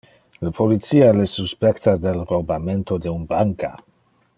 Le policia le suspecta del robamento de un banca.